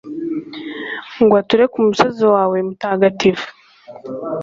ngo ature ku musozi wawe mutagatifu?